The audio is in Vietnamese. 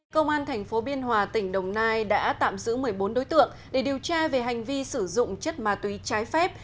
công an tp biên hòa tỉnh đồng nai đã tạm giữ một mươi bốn đối tượng để điều tra về hành vi sử dụng chất ma túy trái phép